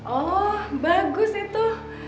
oh bagus itu